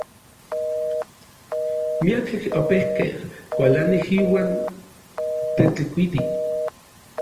Miakej opejkej kualanij iuan Tetlikuiti.